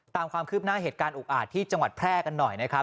ตามความคืบหน้าเหตุการณ์อุกอาจที่จังหวัดแพร่กันหน่อยนะครับ